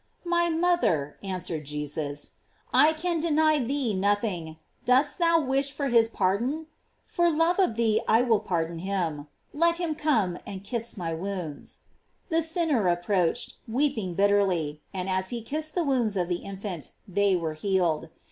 "My Mother," answered Jesus, "I can deny thee nothing ; dost thou wish for his pardon ? for love of thee I will pardon him. Let him come and kiss my wounds." The sin ner approached, weeping bitterly, and as he kissed the wounds of the infant, they were healed.